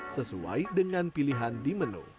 sesuai dengan pilihan di menu